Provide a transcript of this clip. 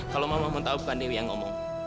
kalau mama mau tau bukan dewi yang ngomong